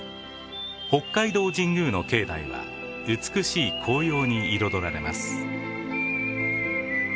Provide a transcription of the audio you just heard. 北海道神宮の境内は美しい紅葉に彩られます。